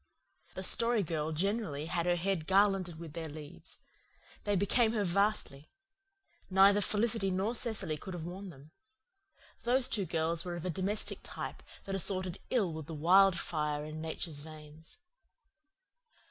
The Story Girl generally had her head garlanded with their leaves. They became her vastly. Neither Felicity nor Cecily could have worn them. Those two girls were of a domestic type that assorted ill with the wildfire in Nature's veins.